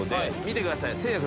見てください。